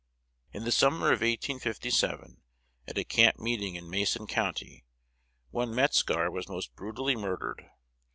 In the summer of 1857, at a camp meeting in Mason County, one Metzgar was most brutally murdered.